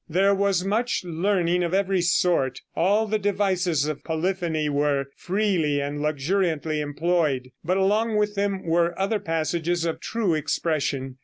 There was much learning of every sort; all the devices of polyphony were freely and luxuriantly employed, but along with them were other passages of true expression.